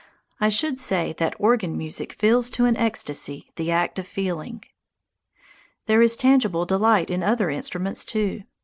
I should say that organ music fills to an ecstasy the act of feeling. There is tangible delight in other instruments, too.